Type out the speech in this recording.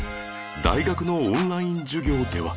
大学のオンライン授業では